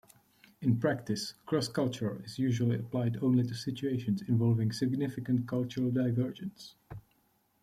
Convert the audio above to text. In practice, "cross-cultural" is usually applied only to situations involving significant cultural divergence.